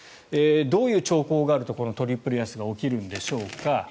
どういう兆候があるとトリプル安が起こるんでしょうか。